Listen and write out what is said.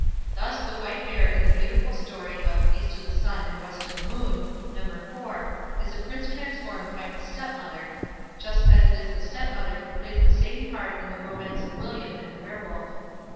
Thus the White Bear in the beautiful story of "East o' the Sun and West o' the Moon", No. iv, is a Prince transformed by his stepmother, just as it is the stepmother who plays the same part in the romance of William and the Were wolf.